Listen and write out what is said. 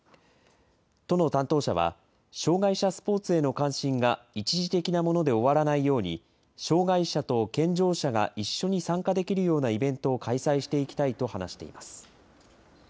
都の担当者は、障害者スポーツへの関心が一時的なもので終わらないように、障害者と健常者が一緒に参加できるようなイベントを開催していきたいと話しています。